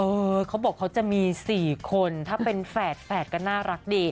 เขาบอกเขาจะมี๔คนถ้าเป็นแฝดแฝดก็น่ารักดี